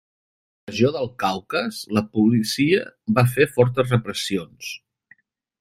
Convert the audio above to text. A la regió del Caucas, la policia va fer fortes repressions.